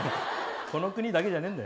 この国だけじゃねえんだよ。